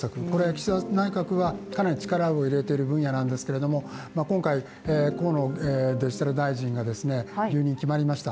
岸田内閣はかなり力を入れている分野なんですけれども今回、河野デジタル大臣が留任が決まりました。